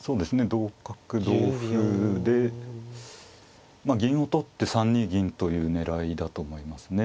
同角同歩でまあ銀を取って３二銀という狙いだと思いますね。